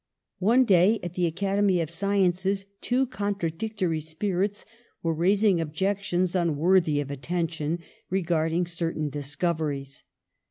One day at the Academy of Sciences two contra dictory spirits were raising objections unworthy of attention regarding certain discoveries.